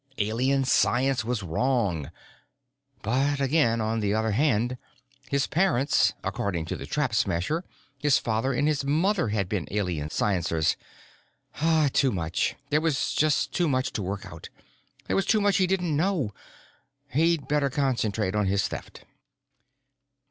Alien science was wrong. But again, on the other hand, his parents, according to the Trap Smasher, his father and his mother had been Alien sciencers. Too much. There was just too much to work out. There was too much he didn't know. He'd better concentrate on his Theft.